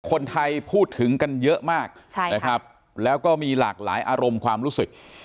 คนไทยพูดถึงกันเยอะมากใช่นะครับแล้วก็มีหลากหลายอารมณ์ความรู้สึก